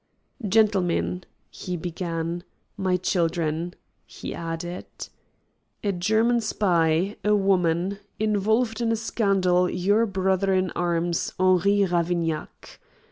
"Gentlemen," he began, "my children," he added. "A German spy, a woman, involved in a scandal your brother in arms, Henri Ravignac.